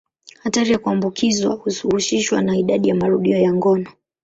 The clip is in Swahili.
Hatari ya kuambukizwa huhusishwa na idadi ya marudio ya ngono.